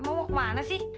mau kemana sih